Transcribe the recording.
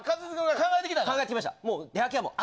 考えてきました。